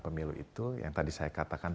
pemilu itu yang tadi saya katakan